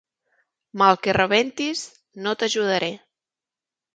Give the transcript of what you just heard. Mal que rebentis, no t'ajudaré.